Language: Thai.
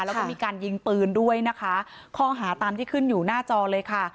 แล้วก็มีการยิงปืนด้วยนะคะข้อหาตามที่ขึ้นอยู่หน้าจอเลยค่ะ